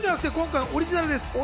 オリジナルです。